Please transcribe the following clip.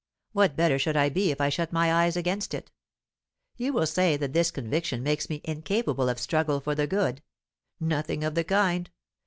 What better should I be if I shut my eyes against it? You will say that this conviction makes me incapable of struggle for the good. Nothing of the kind.